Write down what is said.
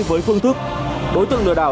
với phương thức đối tượng lừa đảo